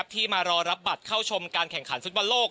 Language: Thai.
ที่มารอรับบัตรเข้าชมการแข่งขันฟุตบอลโลก